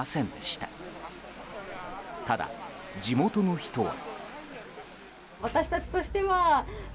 ただ、地元の人は。